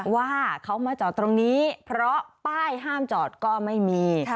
ว่าเขามาจอดตรงนี้เพราะป้ายห้ามจอดก็ไม่มี